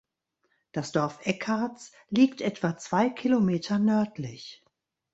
Das Dorf Eckarts liegt etwa zwei Kilometer nördlich.